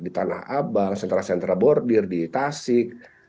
di tanah abang sentra sentra bordir di tasik